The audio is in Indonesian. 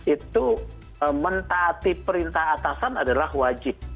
itu mentaati perintah atasan adalah wajib